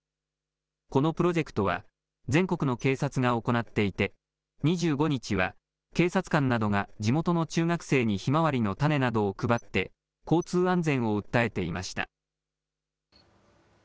このプロジェクトは、全国の警察が行っていて、２５日は、警察官などが地元の中学生にひまわりの種などを配って、交通安全を訴えていました。